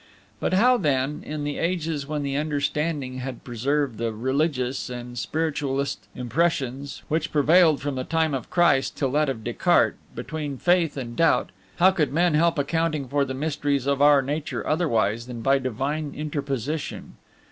But how, then, in the ages when the understanding had preserved the religious and spiritualist impressions, which prevailed from the time of Christ till that of Descartes, between faith and doubt, how could men help accounting for the mysteries of our nature otherwise than by divine interposition?